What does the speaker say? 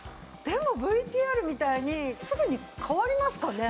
でもＶＴＲみたいにすぐに変わりますかね？